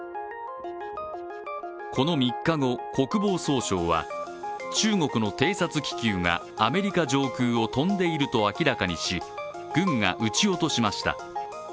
この３日後、国防総省は中国の偵察気球がアメリカ上空を飛んでいると明らかにし軍が撃ち落としました。